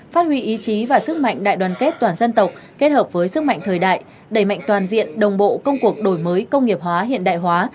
phát huy ý chí và sức mạnh đại đoàn kết toàn dân tộc kết hợp với sức mạnh thời đại đẩy mạnh toàn diện đồng bộ công cuộc đổi mới công nghiệp hóa hiện đại hóa